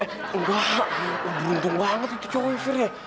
eh enggak beruntung banget itu cowoknya fir ya